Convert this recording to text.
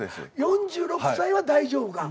４６歳は大丈夫か？